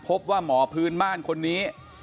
พบว่าหมอพื้นบ้านคนนี้